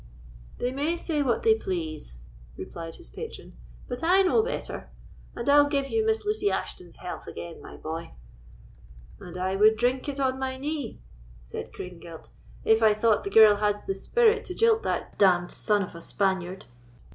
"They may say what they please," replied his patron, "but I know better; and I'll give you Miss Lucy Ashton's health again, my boy." "And I would drink it on my knee," said Craigengelt, "if I thought the girl had the spirit to jilt that d—d son of a Spaniard."